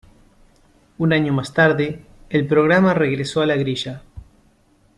Un año más tarde, el programa regresó a la grilla.